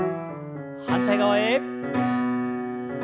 反対側へ。